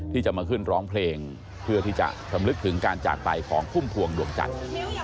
ที่จะมาขึ้นร้องเพลงเพื่อที่จะรำลึกถึงการจากไปของพุ่มพวงดวงจันทร์